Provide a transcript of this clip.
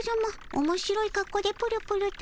おもしろいかっこでプルプルと。